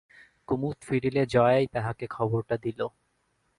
কুমুদ ফিরিলে জয়াই তাহাকে খবরটা দিল।